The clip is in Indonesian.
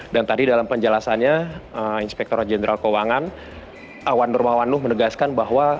dan tadi dalam penjelasannya inspekturat jenderal keuangan awan nurmawanuh menegaskan bahwa